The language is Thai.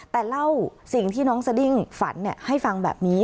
แต่เล่าสิ่งที่น้องสดิ้งฝันให้ฟังแบบนี้